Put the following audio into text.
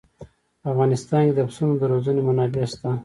په افغانستان کې د پسونو د روزنې منابع شته.